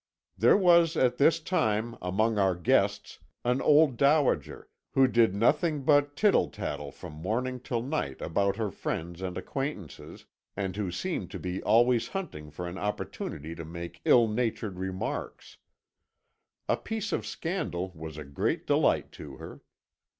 "There was at this time among our guests an old dowager, who did nothing but tittle tattle from morning till night about her friends and acquaintances, and who seemed to be always hunting for an opportunity to make ill natured remarks. A piece of scandal was a great delight to her.